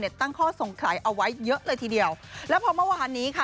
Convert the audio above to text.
ตั้งข้อสงสัยเอาไว้เยอะเลยทีเดียวแล้วพอเมื่อวานนี้ค่ะ